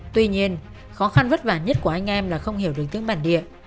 tuy nhiên khó khăn vất vả nhất của anh em là không hiểu được tiếng bản địa